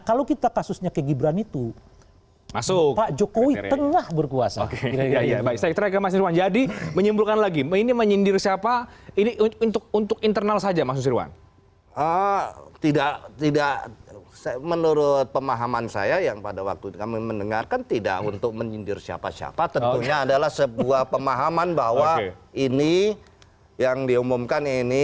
kita break dulu ya